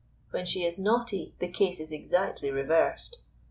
When she is naughty the case is exactly reversed.